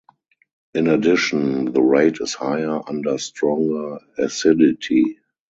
In addition, the rate is higher under stronger acidity.